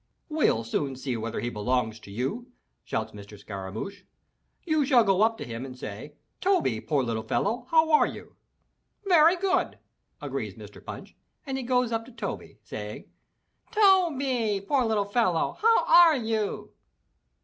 "We'll soon see whether he belongs to you!" shouts Mr. Scara mouch. "You shall go up to him and say, Toby, poor little fellow, how are you?'" "Very good!" agrees Mr. Punch, and he goes up to Toby, saying, "Toby, poor little fellow, how are you?"